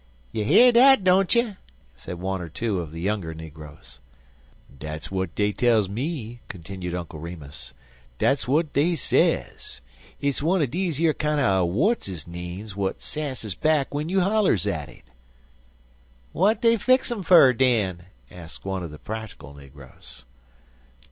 "You year dat, don't you?" said one or two of the younger negroes. "Dat's w'at dey tells me," continued Uncle Remus. "Dat's w'at dey sez. Hit's one er deze yer kinder w'atzisnames w'at sasses back w'en you hollers at it." "W'at dey fix um fer, den?" asked one of the practical negroes.